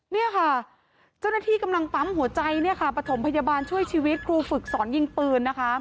นี่ค่ะเจ้าหน้าที่กำลังปั๊มหัวใจเนี่ยค่ะประถมพยาบาลช่วยชีวิตครูฝึกสอนยิงปืนนะคะ